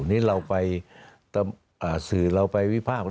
นี่เราไปสื่อเราไปวิพากษ์